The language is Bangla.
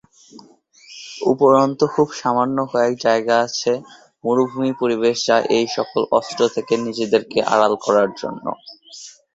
উপরন্তু, খুব সামান্য কয়েক জায়গা আছে মরুভূমি পরিবেশে যা এইসকল অস্ত্র থেকে নিজেদের আড়াল করার জন্য।